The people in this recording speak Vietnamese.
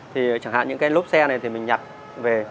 thì chẳng hạn những cái lốp xe này thì mình nhặt về